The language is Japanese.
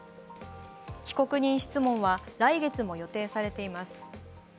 被告人質問は来月も予定されています。